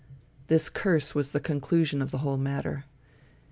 This curse was the conclusion of the whole matter.